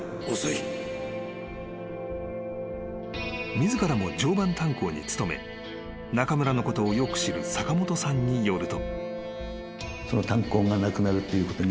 ［自らも常磐炭礦に勤め中村のことをよく知る坂本さんによると］